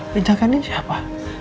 ya jaga nien siapa